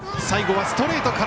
最後はストレート。